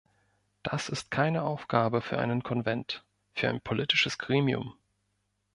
Das ist keine Aufgabe für einen Konvent, für ein politisches Gremium.